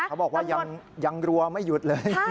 เขาบอกว่ายังรัวไม่หยุดเลย